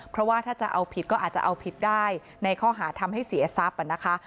เพราะว่าถ้าจะเอาผิดก็อาจจะเอาผิดได้ในข้อหาทำให้เสียทรัพย์นะคะ